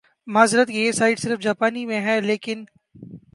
معذرت کہ یہ سائیٹ صرف جاپانی میں ھے لیکن آ